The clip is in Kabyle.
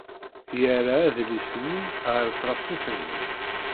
Yerra adlis-nni ɣer tṛeffit-nni.